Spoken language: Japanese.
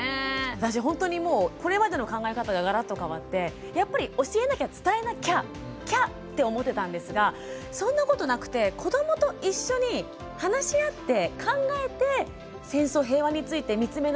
私ほんとにもうこれまでの考え方ががらっと変わってやっぱり教えなきゃ伝えなきゃ「きゃ」って思ってたんですがそんなことなくて子どもと一緒に話し合って考えて戦争平和について見つめ直していく。